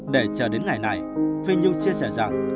để chờ đến ngày này phi nhiều chia sẻ rằng